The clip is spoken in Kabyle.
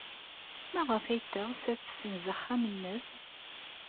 Maɣef ay teɣs ad tessenz axxam-nnes?